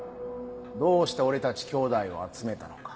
どうして俺たちきょうだいを集めたのか。